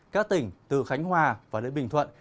các tỉnh từ khánh hòa và đến bình thuận